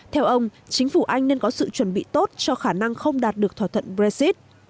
theo ông chính phủ anh nên có sự chuẩn bị tốt cho khả năng không đạt được thỏa thuận brexit